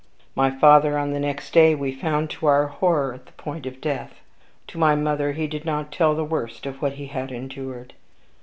My father, on the next day, we found, to our horror, at the point of death. To my mother he did not tell the worst of what he had endured.